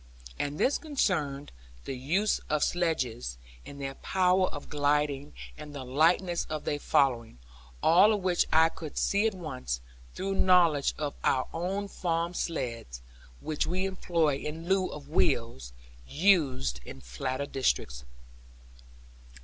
And this concerned the use of sledges, and their power of gliding, and the lightness of their following; all of which I could see at once, through knowledge of our own farm sleds; which we employ in lieu of wheels, used in flatter districts.